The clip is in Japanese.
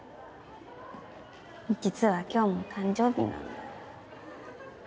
実は今日誕生日なんだ。